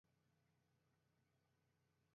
様子を見に来たら、このありさまでした。